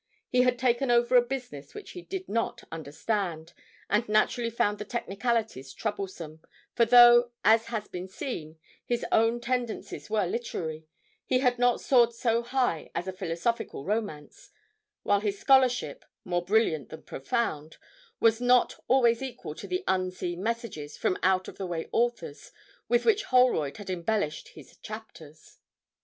He had taken over a business which he did not understand, and naturally found the technicalities troublesome, for though, as has been seen, his own tendencies were literary, he had not soared so high as a philosophical romance, while his scholarship, more brilliant than profound, was not always equal to the 'unseen passages' from out of the way authors with which Holroyd had embellished his chapters.